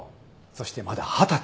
そしてまだ二十歳。